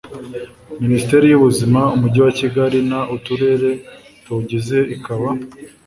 Minisiteri y ubuzima Umujyi wa Kigali n Uturere tuwugize ikaba